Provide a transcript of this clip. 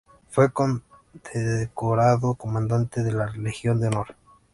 Fue condecorado Comandante de la Legión de Honor.